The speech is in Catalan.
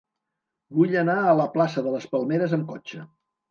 Vull anar a la plaça de les Palmeres amb cotxe.